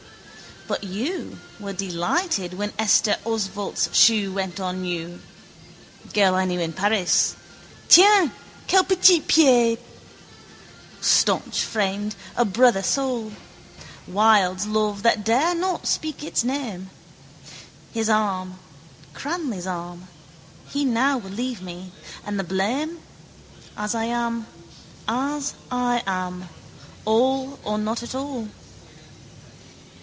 But you were delighted when Esther Osvalt's shoe went on you: girl I knew in Paris. Tiens, quel petit pied! Staunch friend, a brother soul: Wilde's love that dare not speak its name. His arm: Cranly's arm. He now will leave me. And the blame? As I am. As I am. All or not at all.